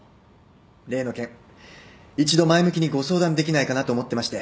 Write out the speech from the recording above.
例の件一度前向きにご相談できないかなと思ってまして。